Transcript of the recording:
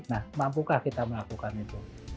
nah mampukah kita melakukan itu